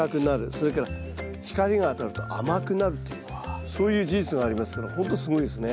それから光が当たると甘くなるというそういう事実がありますからほんとすごいですね。